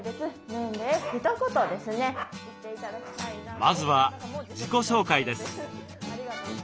まずは自己紹介です。